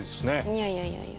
いやいやいやいや。